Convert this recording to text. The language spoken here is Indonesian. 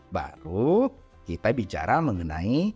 baru kita bicara mengenai